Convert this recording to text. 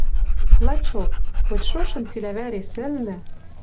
Лачок, хоть шошым цилӓ вӓре сӹлнӹ